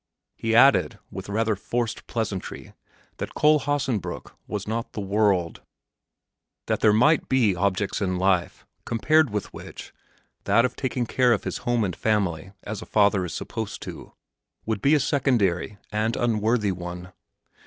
He added with rather forced pleasantry that Kohlhaasenbrück was not the world; that there might be objects in life compared with which that of taking care of his home and family as a father is supposed to would be a secondary and unworthy one.